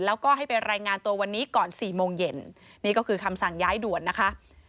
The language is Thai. แล้วก็ให้ไปรายงานตัววันนี้ก่อน๔โมงเย็นนี่ก็คือคำสั่งย้ายด่วนนะคะ